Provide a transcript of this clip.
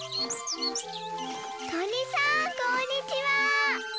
とりさんこんにちは！